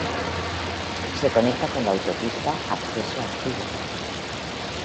Se conecta con la Autopista Acceso a Tigre.